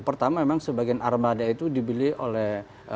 pertama memang sebagian armada itu dibeli oleh